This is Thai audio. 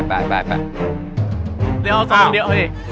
เดี๋ยวเดี๋ยวเอาอีก